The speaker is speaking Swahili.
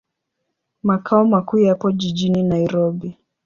Makao makuu yapo jijini Nairobi.